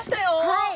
はい。